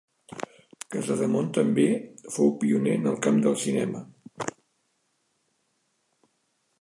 Casademont també fou pioner en el camp del cinema.